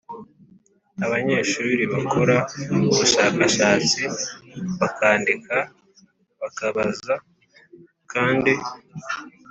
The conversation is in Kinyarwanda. Abanyeshuri bakora ubushakashatsi, bakandika, bakabaza kandi